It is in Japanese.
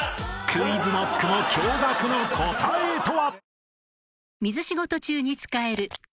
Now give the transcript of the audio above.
［ＱｕｉｚＫｎｏｃｋも驚愕の答えとは？］